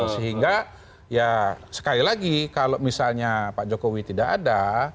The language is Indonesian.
sehingga ya sekali lagi kalau misalnya pak jokowi tidak ada